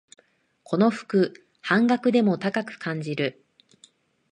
この服、半額でも高く感じる